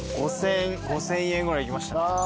５，０００円ぐらいいきました。